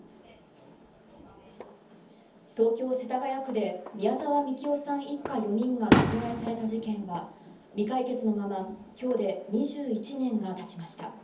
東京・世田谷区で宮沢みきおさん一家４人が殺害された事件は、未解決のまま今日で２１年が経ちました。